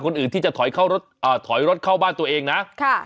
คนอื่นที่จะถอยรถเข้าบ้านตัวเองนะค่ะ